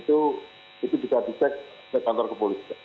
tapi anda still garis kalau gimana dengan cerita ber guardian inspection